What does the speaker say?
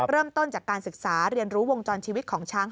เริ่มต้นจากการศึกษาเรียนรู้วงจรชีวิตของช้าง